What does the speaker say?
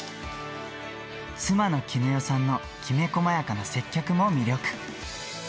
妻の絹代さんのきめ細やかな接客も魅力。